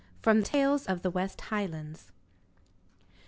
[From Tales of the West Highlands.